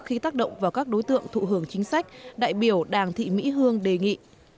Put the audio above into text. khi tác động vào các đối tượng thụ hưởng chính trách đại biểu đảng thị mỹ hương đề nghị